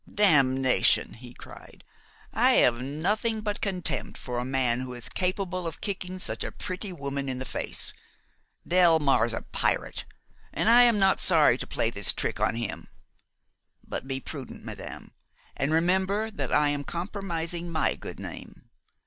"Damnation!" he cried, "I have nothing but contempt for a man who is capable of kicking such a pretty woman in the face! Delmare's a pirate, and I am not sorry to play this trick on him; but be prudent, madame, and remember that I am compromising my good name.